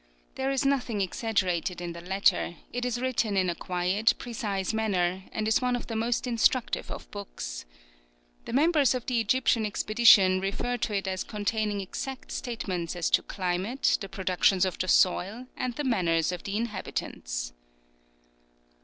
There is nothing exaggerated in the latter; it is written in a quiet, precise manner, and is one of the most instructive of books. The members of the Egyptian Expedition refer to it as containing exact statements as to climate, the productions of the soil, and the manners of the inhabitants.